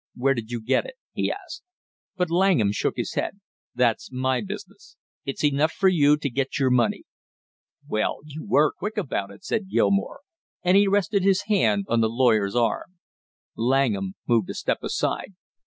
"Where did you get it?" he asked. But Langham shook his head. "That's my business; it's enough for you to get your money." "Well, you were quick about it," said Gilmore, and he rested his hand on the lawyer's arm. Langham moved a step aside.